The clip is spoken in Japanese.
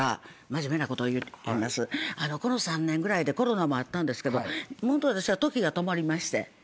この３年ぐらいでコロナもあったんですけどホント私は時が止まりまして。